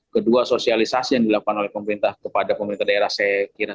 kedua sosialisasi yang dilakukan oleh pemerintah kepada pemerintah daerah saya kira